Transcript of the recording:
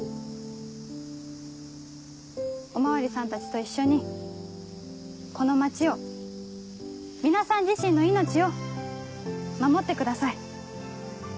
お巡りさんたちと一緒にこの街を皆さん自身の命を守ってください。